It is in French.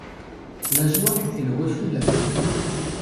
La joie est le reflux de la terreur.